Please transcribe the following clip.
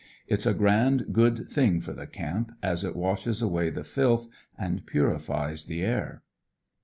It's a grand good thing for the camp, as it washes away the filth and purifies the air.